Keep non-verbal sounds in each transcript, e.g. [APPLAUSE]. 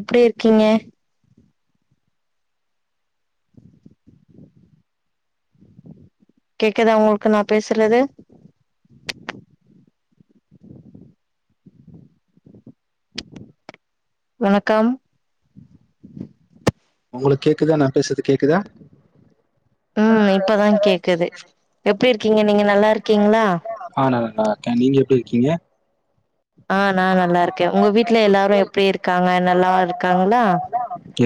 எப்டி இருக்கீங்க கேக்குதா உங்களுக்கு நா பேசுறது வணக்கம் ஒங்களுக்கு கேக்குதா நா பேஸ்றது கேக்குதா ம் இப்பதா கேக்குது எப்டி இருக்கீங்க நீங்க நல்லா இருக்கீங்களா ஆ நல்லாக்க நீங்க எப்டி இருக்கீங்க ஆ நா நல்லா இருக்க ஒங்க வீட்ல எல்லாரு எப்டி இருக்காங்க நல்லா இருக்காங்களா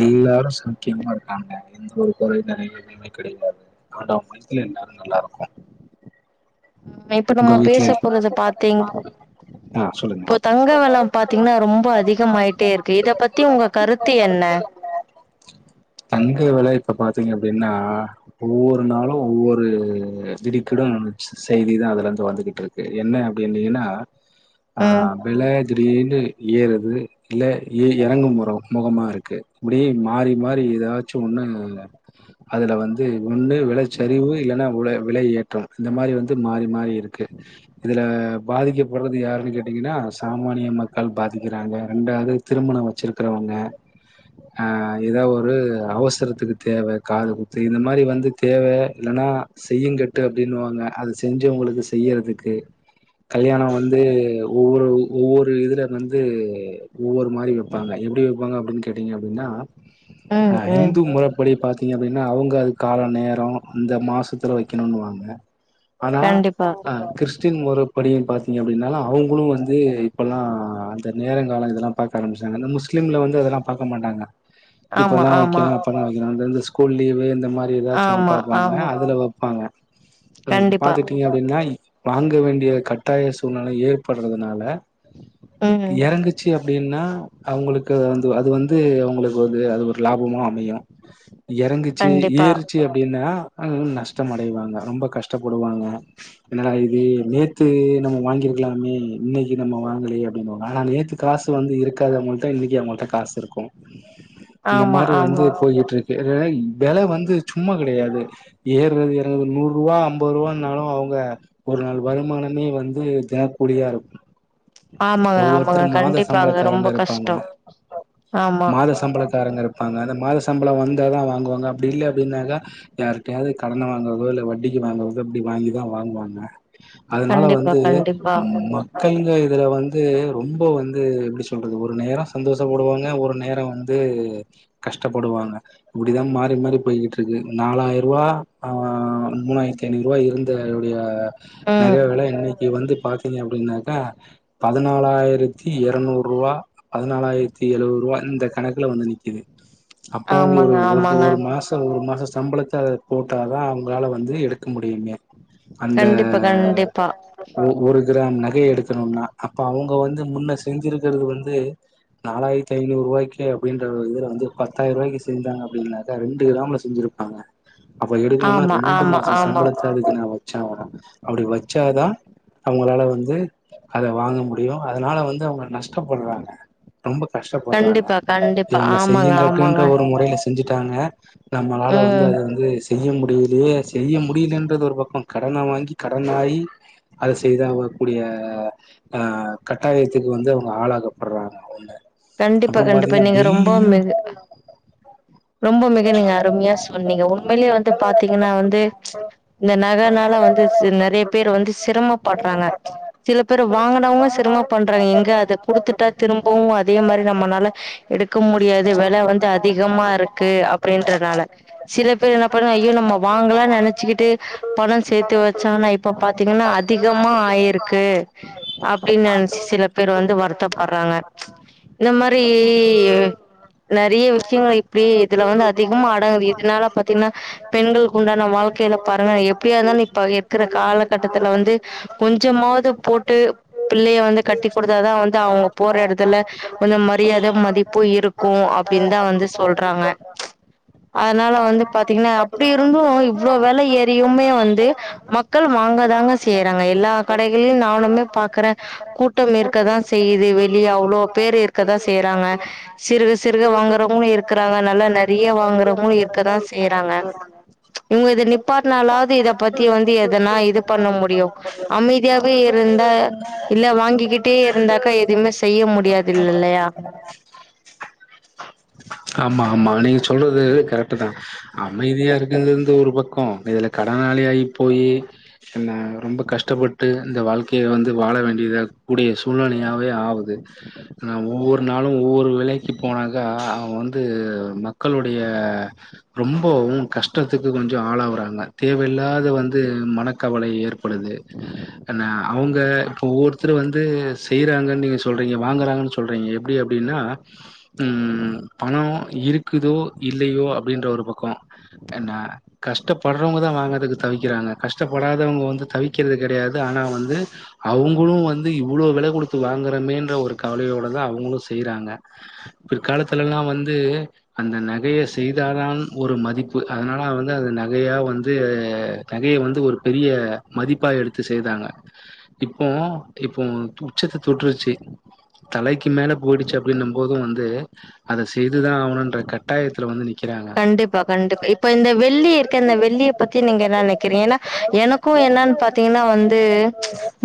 எல்லாரும் சாவுக்கியமா இருக்காங்க எந்த ஒரு கொறயு வேறல்ல அப்டி கெடையாது ஆண்டவன் புண்ணித்துல எல்லாரு நல்லா இருக்கும் இப்ப உங்க நம்ம வீட்ல பேச போறது பாத்தீங் ஆ சொல்லுங்க இப்போ தங்க வலம் பாத்தீங்கன்னா ரொம்ப அதிகமாயிட்டே இருக்கு இத பத்தி ஒங்க கருத்து என்ன [INAUDIBLE] தங்க வெல இப்ப பாத்தீங்க அப்டின்னா ஒவ்வொரு நாளு ஒவ்வொரு திடிக்கிடும் செய்தி தா அத வந்து வந்துகிட்டு இருக்கு என்ன அப்டினீங்கன்னா ஆ வெல திடீர்னு ஏறுது இல்ல ஏ எறங்கு மரோம் முகமா இருக்கு இப்டி மாரி மாரி ஏதாச்சும் ஒண்ணு அதுல வந்து ஒண்ணு வெளச்சரிவு இல்லன்னா வில விலை ஏற்றம் இந்த மாரி வந்து மாரி மாரி இருக்கு இதுல பாதிக்கப்பட்றது யாருனு கேட்டீங்கன்னா சாமானிய மக்கள் பாதிக்கிறாங்க ரெண்டாது திருமண வச்சிருக்றவங்க அ எதா ஒரு அவசரத்துக்கு தேவ காது குத்து இந்த மாரி வந்து தேவ இல்லன்னா செய்யுங்கட்டு அப்டின்னுவாங்க அது செஞ்சவங்களுக்கு செய்யுறதுக்கு கல்யாணம் வந்து ஒவ்வொரு ஒவ்வொரு இதுல வந்து ஒவ்வொரு மாரி வப்பாங்க எப்டி வப்பாங்க அப்டினு கேட்டீங்க அப்டின்னா ம் ஆ ம் இந்து மொறப்படி பாத்தீங்க அப்டின் என்ன அவுங்க கால நேரோ இந்த மாசத்துல வக்கணுவாங்க கண்டிப்பா அ கிறிஸ்டின் மொற படி பாத்தீங்க அப்டின்னால அவுங்களு வந்து இப்பல்லா அந்த நேர கால இதெல்லா பாக் பாக்க ஆரம்பிச்டாங்க இந்த முஸ்லீம்ல வந்து அதெல்லா பாக்க மாட்டாங்க [INAUDIBLE] இப்பதா ஆமா வக்கணு அப்பதா வக்கணு இந்த ஸ்கூல் லீவு இந்த மாரி ஏதாச்சு ஒன்னு ஆமா பாப்பாங்க ஆமா அதுல வப்பாங்க கண்டிப்பா பாத்துட்டு எப்டின்னா வாங்க வேண்டிய கட்டாய சூழ்நில ஏற்படுறதுனால ம் எறங்குச்சு அப்டின்னா அவுங்களுக்கு வந்து அது வந்து அவுங்களுக்கு வந்து அது ஒரு லாபமா அமையும் எறங்குச்சு கண்டிப்பா ஏறுச்சு அப்டின்னா நஷ்டோ அடைவாங்க ரொம்ப கஷ்டப்படுவாங்க என்னடா இது நேத்து நம்ம வாங்கிருக்கலாமே இன்னைக் கி நம்ம வாங்கலயே அப்டிம்போ ஆனா நேத்து காசு வந்து இருக்காதவங்கள்ட இன்னக்கி அவங்கள்ட காசு இருக்கும் [INAUDIBLE] இந்த மாரி வந்து ஆமா போயிட்ருக் ல வெல வந்து சும்மா கெடையாது ஏறது இறங்து நூரூவா அம்பது ரூவானாலும் அவு ங்க ஒரு நாள் வருமானமே வந்து தெனக்கூலியா இருக்கும் ஆமாங்க ஒவ்வொருத்தரு ஆமாங்க மாத கண்டிப்பாங்க சம்பளக்காரங்க ரொம்ப இருப்பாங்க கஷ்டோ ஆமா மாத சம்பளக்காரங்க இருப்பாங்க அந்த மாத சம்பளம் வந்தாதா வாங்குவாங்க அப்டி இல்ல அப்டின்னாக்கா யார்ட்டயாது கடன வாங்குறதோ இல்ல வட்டிக்கு வாங்குறதோ அப்டி வாங்கிதா வாங்குவாங்க அதனால கண்டிப்பா வந்து கண்டிப்பா மக்கள்க இதுல வந் து ரொம்ப வந்து எப்டி சொல்றது ஒரு நேரோ சந்தோஷப்படுவாங்க ஒரு நேரோ வந்து கஷ்டப்படுவாங்க இப்டிதா மாறி மாறி போய்கிட்டுருக்கு நாளாயரூவா ஆ மூணாயிரத் தி ஐநூரூவா இருந்த உடைய நக ம் வெள இன்னைக்கி வந்து பாத்தீங்க அப்டின்னாக்கா பதினாலாயிரத்தி எரநூரூவா பதினாலாயிரத்தி எழுவதுரூவா இந்த கணக்ல வந்து நிக்கிது அப்பவு ஆமாங்க ஒரு ஒருத்து ஆமாங்க ஒரு மாஸ் த ஒரு மாச சம்பளத்த அத போட்டா தா அவுங்களால வந்து எடுக்க முடியுமே அந்த கண்டிப்பா கண்டிப்பா ஒ ஒரு கிராம் நகய எடுக்கணுன்னா அப்ப அவுங்க வந்து முன்ன செஞ்சிருக்கிறது வந்து நாளாயிரத்தி ஐநூ ரூவாய்க்கே அப்டின்ற இதுல வந்து பத்தாயிரரூவாய்க்கி செஞ்சாங்க அப்டின்னாக்க ரெண்டு கிராம்ல செஞ்சிருப்பாங்க அப்ப எடுக்கணுன்னா ஆமா ரெண்டு ஆமா மாச ஆமா சம்பளத் இப்ப அதுக்கு நா வச்சாவுனு அப்டி வச்சாதா அவுங்களால வந்து அத வாங்க முடியும் அதனால வந்து அவுங்க நஷ்டப்பட்றாங்க ரொம்ப கஷ்டப்பட்றாங்க கண்டிப்பா கண்டிப்பா இவுங்க ஆமாங்க செய்யுங்கட்டுன்ற ஆமாங்க ஒரு மொறையில செஞ்சுட்டாங்க நம்மளால வந்து ம் அது வந்துஸ் செய்ய முடியலியே செய்ய முடியலன்றது ஒரு பக்கோ கடன வாங்கி கடன் ஆயி அத செய்தாவக்கூடிய ஆ கட்டாயத்துக்கு வந்து அவுங்க ஆளாகப்பட்றாங்க அவுங்க கண்டிப்பா அப்றோ கண்டிப்பா பாத்தீங்க நீங்க ரொம்ப டெல்லியு மிகு ரொம்ப மிக நீங்க அருமையா சொன்னீங்க உண்மையிலே வந்து பாத்தீங்கன்னா வந்து ம்ச் இந்த நகனால வந்து நெறைய பேரு வந்து சிரமப்பட்றாங்க சில பேர் வாங்குனவுங்களு சிரமப் பண்றாங்க எங்க அத குடுத்துட்டா திரும்பவு அத் தே மாரி நம்மனால எடுக்க முடியாது வெல வந்து அதிகமா இருக்கு அப்டின்றனால சில பேரு என்ன பண்ணுவா ஐயோ நம்ம வாங்கலானு நெனைச்சுகிட்டு பணோ சேத்து வச்சாங்னா இப்ப பாத்தீங்ன்னா அதிகமா ஆயிருக்கு அப்டின் நனச்சு சில பேர் வந்து வருத்தப்பட்றாங்க ம்ச் இந்த மாரி நெறைய விஷயங்கள இப்டி இதுல வந்து அத் திகமா அடங்து எதுனால பாத்திட் ன்னா பெண்களுக்கு உண்டான வாழ்க்கையில பாருங்க எப்படியா இருந்தாலு இப்ப இருக்குற காலகட்டத்துல வந்து கொஞ்சமாது போட்டு பிள்ளைய வந்து கட்டி குடுத்தாதா வந்து அவுங்க போற எடத்துல கொஞ்சோ மரியாத மதிப்பு இருக்கும் அப்டின்தா வந்து ஆ வி சொல்றாங்க [UNINTELLIGIBLE] அதனால வந்து பாத்தீங்னா அப்டி இருந்து இவ்ளோ வேல ஏறியுமே வந்து மக்கள் வாங்க தாங்க செய்றாங்க எல்லா கடைகள்லயு நானுமே பாக்குறே கூட்டம் இருக்கதா செய்யுது வெளிய அவ்ளோ பேரு இருக் இப்பதா செய்றாங்க சிறுக சிறுக வாங்கறவங்களு இருக்குறாங்கன் வெளிய வாங்குறவுங்களு இருக்கதா செய்றாங்க இவுங்க இத நிப்பாட்னாலாவது இத பத்தி வந்து எதனா இது பண்ண முடியு அமைதியாவே இருந்தா இல்ல வாங்கிக்கிட்டே இருந்தாக்கா எதுமே செய்ய முடியாது இல் இல்லையா மா ஆமா நீங்க சொல்றது கரெக்டு தா அமைதியா இருக்கது வந்து ஒரு பக்கோ இதுல கடனாளி ஆயி போயி என்ன ரொம்ப கஷ்டப்பட்டு இந்த வாழ்க்கைய வந்து வாழ வேண்டியத கூடிய சூழ்நிலையாவே ஆவுது நா ஒவ்வொரு நாளு ஒவ்வொரு வேலைக்கி போனாக்கா அவே வந்து வந்து மக்களுடைய ரொம்பவு கஷ்டத்துக்கு கொஞ்சொ ஆளாவுறாங்க தேவையில்லாத வந்து மனக்கவல ஏற்ப் பொழுது என்ன அவங்க இப்ப ஒவ்வொருத்தரு வந்து செய்றாங்கன்னு நீங்க சொல்றீங்க வாங்குறாங்கன்னு சொ சொல்றீங்க எப்டி அப்டின்னா ம் பணோ இருக்குதோ இல்லியோ அப்டின்ற ஒரு பக்கோ என்ன கஷ்டப்படுறவங்கதா வாங்கறக்கு தவிக்கிறாங்க கஷ்டப்படாதவங்க வந்து தவிக்கிறது கெடையாது ஆனா வந்து அவுங்களு வந்து இவ்ளோ வெல குடுத்து வாங்குறமேன்ற ஒரு கவலையோடதா அவுங்களு செய்றாங்க பிற்காலத்துலல்லா வந்து அந்த நகைய செய்தாதான் ஒரு மதிப்பு அதனால வந்து அந்த நகையா வந்து நகைய வந்து ஒரு பெரிய மதிப்பா எடுத்து செய்தாங்க இப்போ இப்போ உச்சத்த தொட்ருச்சி தலைக்கி மேல போயிடுச்சி அப்டின்னு போது வந்து அத செய்துதா ஆவணுன்ற கட்டாயத்துல வந்து நிக்கிறாங்க கண்டிப்பா கண்டிப்பா இப்ப இந்த வெள்ளி இருக்கே இந்த வெள்ளிய பத்தி நீங்க என்ன நெனைக்கிறீங்க ஏன்னா எனக்கு என்னன்னு பாத்தீங்கன்னா வந்து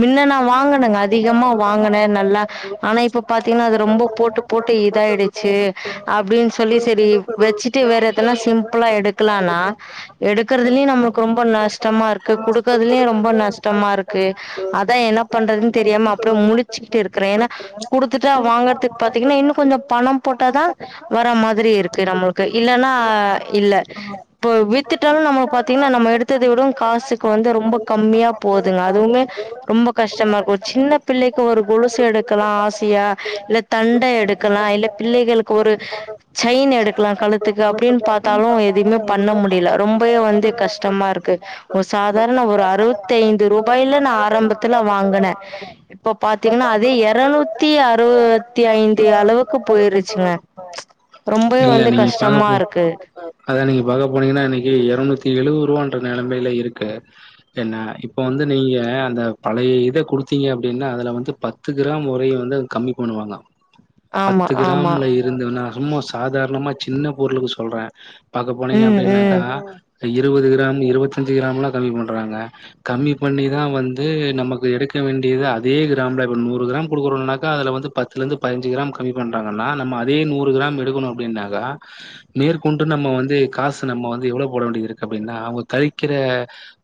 மின்ன நா வாங்கனேங்க அதிகமா வாங்கனே நல்லா ஆனா இப்ப பாத்தீங்கன்னா அது ரொம்ப போட்டு போட் இப்ப இதாயிடுச்சி அப்டின் சொல்லி செரி வச்சிட் ட்டு வேற எதனா சிம்பிளா எடுக்கலான்னா எடுக்கறதுலயு நம்மளுக்கு ரொம்ப நஷ்டமா இருக்கு குடுக்குறதுலயு ரொம்ப நஷ்டமா இருக்கு அதா என்ன பண்றதுன் தெரியாம அப்டியே முழிச்சிகிட்டு இருக்கறே ஏன்னா குடுத்துட்டா வாங்கறதுக் பாத்தீங்கன்னா இன்னு கொஞ்சொ பணம் போட்டாதா வர்ற மாதிரி இருக்கு இப் இல்லன்னா இல்ல இப்ப வித்துட்டாலு நம்மள பாத்தீங்கன்னா நம்ம எடுத்தத விடவு காசுக்கு வந்து ரொம்ப கம்மியா போதுங்க அதுவுமே ரொம்ப கஷ்டமாருக்கு ஒரு சின்ன பிள்ளைக்கு ஒரு கொலுசு எடுக்கலா ஆசையா இல்ல தண்ட எடுக்கலா இல்ல பிள்ளைகளுக்கு ஒரு சைன் எடுக் துக்கலா கழுத்துக்கு அப்டின்னு பாத்தாலு எதுவுமே பண்ண முடியல ரொம்பவே வந்து கஷ்டமா இருக்கு ஒரு சாதாரண ஒரு அறுவத்தைந்து ரூபாய்ல நா ஆரம்பத்துல வாங்குனே இப்ப பாத்தீங்கன்னா அதே எறநூத்தி அறுவத்தி ஐந்து அளவுக் க்கு போயிருச்சுங்க ரொம்பவே இல்ல வந்து நீங்க கஷ்டமா பாக்கபோ இருக்கு அதா நீங்க பாக்க போனீங்கன்னா இன்னிக்கு எறநூத்தி எழுவோ ரூவான் ஒரு நெலைமைல இருக்கு தென்ன இப்ப வந்து நீங்க அந்த பழைய இத குடுத்தீங்க அப்டின்னா அதுல வந்து பத் பத்து கிராம் உரையு வந்து அத கம்மி பண்ணுவாங்க ஆமா பத்து ஆமா கிராம்ல இருந்தென்னாகுமோ சாதாரணமா சின்ன பொருளுக்கு சொல்றே பாக்க போனீங்க ம் அப்டின்னாக்கா ம் இருவது கிராம் இருவத்தஞ்சி கிராம்லா கம்மி பண்றாங்க கம்மி பண்ணிதா வந்து நமக்கு எடுக்க வேண்டியது அதே கிராம்ல இப்ப நூறு கிராம் குடுக்கறோனாக்கா அதுல வந்து பத் இதுல இருந்து பதினஞ்சி கிராம் கம்மி பண்றாங்கன்னா நம்ம அதே நூறு கிராம் எடுக்கணு அப்டின்னாக்கா மேற்கொண்டு நம்ம வந்து காசு நம்ம வந்து எவ்ளோ போட வேண்டி இருக்கு அப்டின்னா அவங்க கழிக்கிற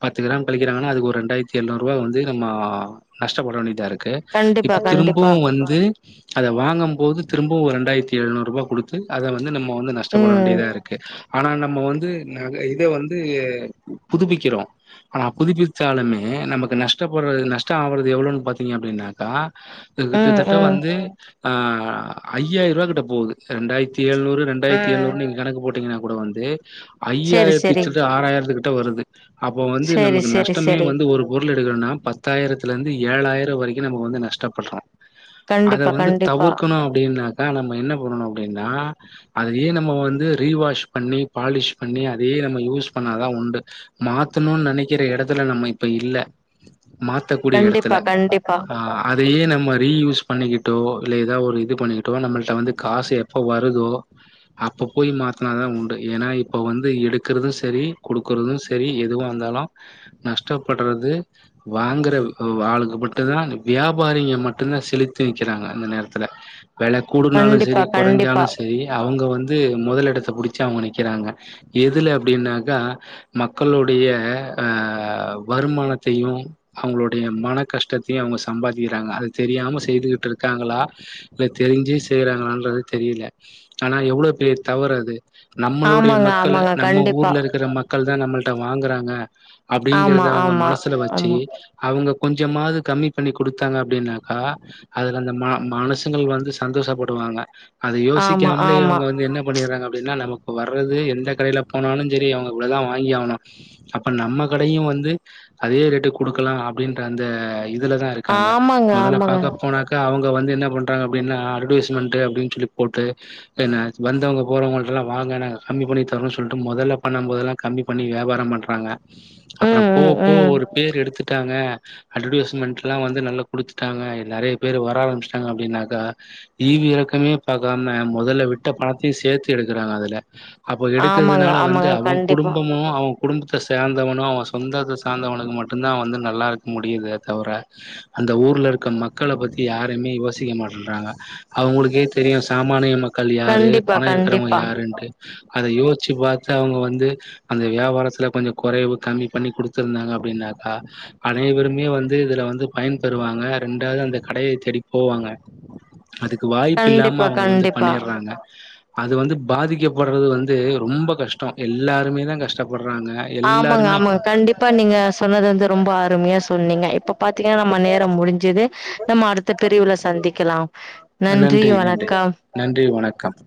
பத்து கிராம் கழிக்கிறாங்கன்னா அதுக்கு ஒரு ரெண்டாயிரத்தி எழுநூறுவா வந்து நம்மோ நஷ்டப்பட வேண்டியதா இருக் க்கு கண்டிப்பா இப்ப கண்டிப்பா திரும்பவு வந்து அத வாங்கம்போது திரும்பவு ரெண்டாயிரத்தி எழநூரூபா குடுத் த்து அத வந்து நம்ம வந்து நஷ்டப்பட ம் வேண்டியதா இருக்கு ஆனா நம்ம வந்து நக இத வந்து புதுப்பிக்கிறோம் ஆனா புதுப்பிச்சாலுமே நமக்கு நஷ்டப்படுறது நஷ்போ ஆவுறது எவ்வளோனு பாத்தீங்க அப்படின்னாக்கா ம் கிட்டத்தட்ட ம் வந்து ஆ ஐயாயிரரூபா கிட்ட போகுது ரெண்டாயிரத்தி ஏழ்நூறு ரெண்டாயிரத்தி ம் ஏழ்நூறு நீங்க கணக்கு போட்டீங்கன்னா கூட வந்து செரி ஐயாயிரத்தி செரி சில்ற ஆறாயிரத்துக்கிட்ட வருது அப்போ வந்து செரி நமக்கு செரி நஷ்டமே செரி வந்து ஒரு பொருள் எடுக்கணுன்னா பத்தாயிரத்துல இருந்து ஏழாயிர வரைக்கு நமக்கு வந்து நஷ்டப்படுறோ அத கண்டிப்பா வந்து கண்டிப்பா தவிர்க்கணு அப்டின்னாக்கா நம்ம என்ன பண்ணணு அப்டின்னா அதையே நம்ம வந்து ரீவாஷ் பண்ணி பாலிஷ் பண்ணி அதையே நம்ம யூஸ் பண்ணாதா உண்டு மாத்தணுன்னு நெனைக்கிற எடத்துல நம்ம இப்ப இல்ல மாத்தக்கூடிய எடத்துல கண்டிப்பா கண்டிப்பா ஆ அதையே நம்ம ரீயூஸ் பண்ணிக்கிட்டோ இல்ல ஏதாவது ஒரு இது பண்ணிக்கிட்டோ நம்மள்ட்ட வந்து காசு எப்போ வ [UNINTELLIGIBLE] அப்ப போய் மாத்தினாதா உண்டு ஏன்னா இப்ப வந்து எடுக்கறது செரி குடுக்குறது செரி செரி எதுவா இருந்தாலு நஷ்டப்படுறது வாங்குற வ ஆளுக்கு மட்டுதா வியாபாரிங்க மட்டுதா செலுத்தி நிக்கிறாங்க அந்த நேரத் செல வில கூடுனாலூ சரி கண்டிப்பா குறைஞ்சாலூ கண்டிப்பா சரி அவுங்க வந்து மொதல் எடத்த புடிச்சு அவுங்க நிக்கிறாங்க எதுல அப்டின்னாக்கா மக்களுடைய ஆ வருமானத்தையு அவங்களுடைய மன கஷ்டத்தையு அவுங்க சம்பாதிக்கிறாங்க அது தெரியாம செய்துகிட்டு இருக்காங்களா இல்ல தெரிஞ்சே செய்யறாங்களன்றது தெரியல ஆனா எவ்வளோ பெரிய தவற் அது நம்மளுடைய ஆமாங்க மக்களு ஆமாங்க நம்ம கண்டிப்பா ஊர்ல இருக்கிற மக்கள் தா நம்மள்ட்ட வாங்குறாங்க ஆமா அப்டிங்கறது அவங்க ஆமா மனசுல வச்சு ஆமா அவங்க கொஞ்சமாவது கம்மி பண்ணி குடுத்தாங்க அப்டின்னாக்கா அதுல அந்த ம மனுசுங்கள் வந்து சந்தோஷப்படுவாங்க அத ஆமா யோசிக்காம்லே ஆமா இவங்க வந்து என்ன பண்ணிறாங்க அப்டின்னா நமக் இப்ப வர்றது எந்த கடையில போனாலு செரி அவங்க இவ்ளதா வாங்கி ஆவ்னு அப்ப நம்ம கடையு வந்து அதே ரேட்டு குடுக்கலா அப்டின்ற அந்த இது இதுலதா இருக்காங்க ஆமாங்க முதல்ல ஆமாங்க பாக்க போனாக்க அவங் வந்து என்ன பண்றாங்க அப்டின்னா அட்வர்டைஸ்மென்ட் அப்டின்னு சொல்லி போட்டு என்ன ஆச்சு வந்தவங்க போறவங்கள்டெல்லா வாங்க நாங்க கம்மி பண்ணி தரோன்னு சொல்லிட்டு மொதல்ல பண்ணும் போதெல்லா கம்மி பண்ணி வியாபாரம் பண்ற பாங்க அப்பற ம் போ ம் போ ம் ஒரு பேர் எடுத்து ட்டாங்க ஆல்ரெடி அட்வர்டைஸ்மெண்ட்ல் லா வந்து நல்லா குடுத்துட்டாங்க நெறைய பேர் வர ஆரம் [UNINTELLIGIBLE] அப்டின்னாக்கா ஈவு இறக்கமே பாக்காம முதல்ல விட்ட பணத்தையு சேத்து எடுக்கறாங்க அதுல அப்ப ஆமாங்க எடுக்கிறதுனால வந்து ஆமாங்க அவ கண்டிப்பா குடும்பமு அவ குடும்பத்த சேந்தவனு அவ சொந்தத்த சார்ந்தவனுக்கு மட்டுந்தா வந்து நல்லா இருக்க முடியுது தவர அந்த ஊர்ல இருக்க மக்கள பத்தி யார் எப்பயுமே யோசிக்க மாட்டன்றாங்க அவங்களுக்கே தெரியு சாமானிய மக் மக்கள் யாரு கண்டிப்பா பணம் இருக்கிறவங்க கண்டிப்பா யாருன்ட்டு அத யோசிச்சு பாத்து அவுங்க வந்து அந்த வியாபாரத்துல கொஞ்ச கொறைவு கம்மி பண்ணி குடுத்துருந்தாங்க அப்டின்னாக்கா அனைவருமே வந்து இதுல வந்து பயன்பெறுவாங்க ரெண்டாவது அந்த கடையை தேடி போவாங்க அதுக்கு வாய்ப்பு இல்லாம கண்டிப்பா அவுங்க வந்து கண்டிப்பா பண்ணிறாங்க அது வந்து பாதிக்கப்படுறது வந்து ரொம்ப கஷ் டோ எல்லாருமே தா கஷ்டப்படுறாங்க எல்லாருமே இப்ப நீங்க சொன்னது வந்து ரொம்ப அருமையா சொன்னீங்க இப்ப பாத்தீங்கன்னா நம்ம நேரம் முடிஞ்சது நம்ம அடுத்தத் பிரிவுல சந்திக்கலா நன்றி வணக்கம் நன்றி வணக்கம்